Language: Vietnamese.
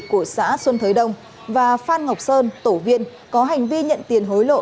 của xã xuân thới đông và phan ngọc sơn tổ viên có hành vi nhận tiền hối lộ